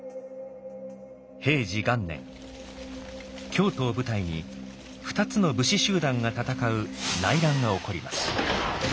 京都を舞台に２つの武士集団が戦う内乱が起こります。